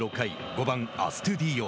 ５番アストゥディーヨ。